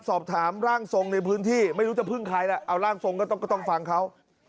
สอบถามร่างทรงในพื้นที่ไม่รู้จะพึ่งใครล่ะเอาร่างทรงก็ต้องฟังเขา